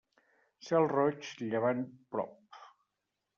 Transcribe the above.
Cel roig, llevant prop.